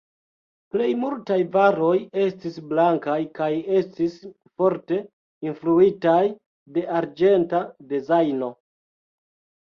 Plej multaj varoj estis blankaj kaj estis forte influitaj de arĝenta dezajno.